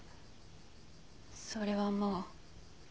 それはもう。